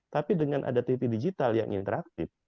tapi dengan ada tv digital yang interaktif